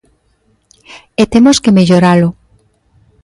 E temos que melloralo.